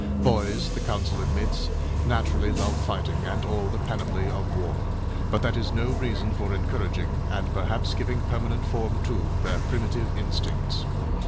â Boys, the Council admits, naturally love fighting and all the panoply of war ... but that is no reason for encouraging, and perhaps giving permanent form to, their primitive instincts.